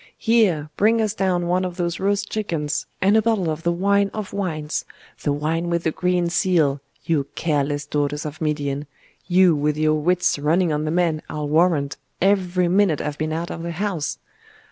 'Here! bring us down one of those roast chickens, and a bottle of the wine of wines the wine with the green seal, you careless daughters of Midian, you, with your wits running on the men, I'll warrant, every minute I've been out of the house!